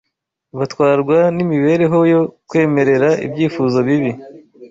batwarwa n’imibereho yo kwemerera ibyifuzo bibi